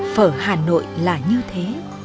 phở hà nội là như thế